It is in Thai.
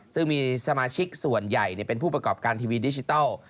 ซึ่งมีสมาชิกส่วนใหญ่เป็นผู้ประกอบการทีวีดิจิทัล